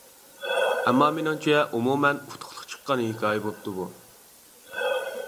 ئەمما مېنىڭچە ئومۇمەن ئۇتۇقلۇق چىققان ھېكايە بوپتۇ بۇ.